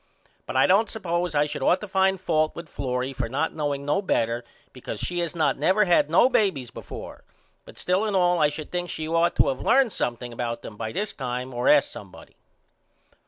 But I don't suppose I should ought to find fault with Florrie for not knowing no better because she has not never had no babys before but still and all I should think she should ought to of learned something about them by this time or ask somebody.